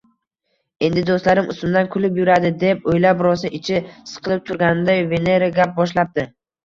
“Endi doʻstlarim ustimdan kulib yuradi”, deb oʻylab rosa ichi siqilib turganida, Venera gap boshlabdi: